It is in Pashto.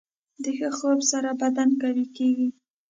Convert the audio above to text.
د ښه خوب سره بدن قوي کېږي.